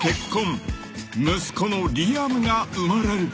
［息子のリアムが生まれる］